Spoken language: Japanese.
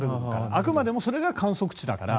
あくまでもそこが観測地だから。